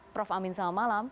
prof amin selamat malam